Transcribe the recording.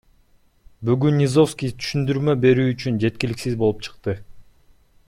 Бүгүн Низовский түшүндүрмө берүү үчүн жеткиликсиз болуп чыкты.